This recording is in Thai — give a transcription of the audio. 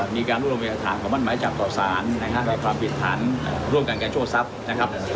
มีการร่วมไปกับฐานของบ้านไม้จับต่อสารนะฮะในความผิดฐานร่วมกันกับโชษทรัพย์นะครับ